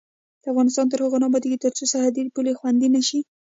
افغانستان تر هغو نه ابادیږي، ترڅو سرحدي پولې خوندي نشي.